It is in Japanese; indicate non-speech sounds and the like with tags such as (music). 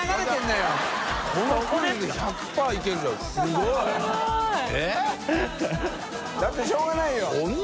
「だってしょうがないよ」 (laughs)